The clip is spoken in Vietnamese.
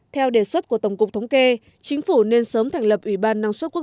theo đề xuất của tổng cục thống kê chính phủ nên sớm thành lập ủy ban năng suất quốc